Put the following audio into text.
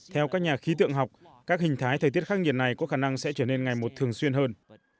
theo các nhà khí tượng học các hình thái thời tiết khắc nghiệt này có khả năng sẽ trở nên ngày một thường xuyên hơn